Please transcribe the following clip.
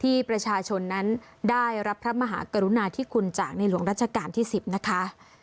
ที่ประชาชนนั้นได้รับพระมหากรุณาธิคุณจากในหลวงรัชกาลที่๑๐นะคะ